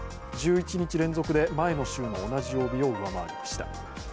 １１日連続で前の同じ曜日を上回りました。